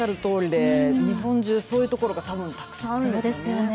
日本中、そういうところが多分、たくさんあるんですよね。